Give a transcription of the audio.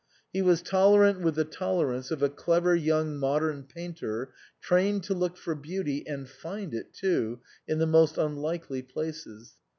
He was tolerant with the tolerance of a clever young modern painter, trained to look for beauty (and find it too) in the most unlikely places.